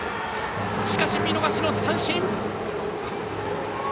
しかし見逃しの三振。